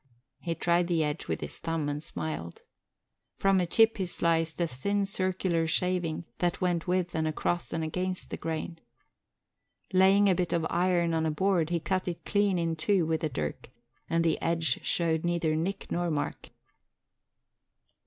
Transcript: He tried the edge with his thumb and smiled. From a chip he sliced a thin circular shaving that went with and across and against the grain. Laying a bit of iron on a board, he cut it clean in two with the dirk and the edge showed neither nick nor mark.